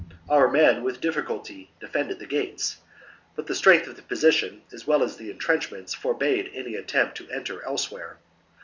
Our men with difficulty defended the gates ; but the strength of the position as well as the entrench ments forbade any attempt to enter elsewhere.